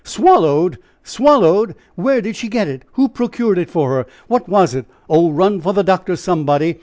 "Swallowed! swallowed! Where did she get it? Who procured it for her? What was it? Oh, run for the doctor, somebody.